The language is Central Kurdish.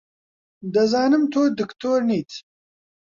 دەزانم تۆ دکتۆر نیت.